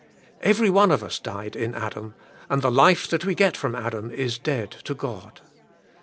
Every one of us died in Adam, and the life that we get from Adam is dead to God.